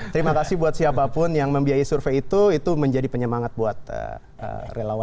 terima kasih buat siapapun yang membiayai survei itu itu menjadi penyemangat buat relawan